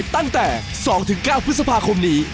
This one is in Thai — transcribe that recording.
ตั้งแต่๒๙พฤษภาคมนี้